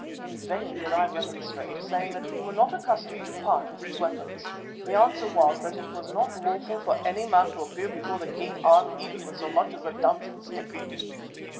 In vain did I remonstrate, saying that we were not accustomed to part with these weapons. The answer was that it was not lawful for any man to appear before the king armed even with so much as a dancing stick.